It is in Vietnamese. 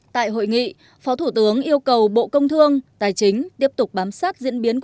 tại hội nghị phó thủ tướng yêu cầu bộ công thương tài chính tiếp tục bám sát